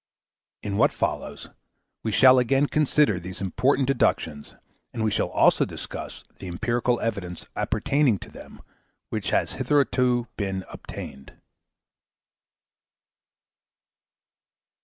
In what follows, we shall again consider these important deductions, and we shall also discuss the empirical evidence appertaining to them which has hitherto been obtained.